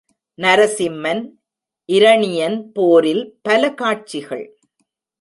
நரசிம்மன் இரணியன் போரில் பல காட்சிகள்.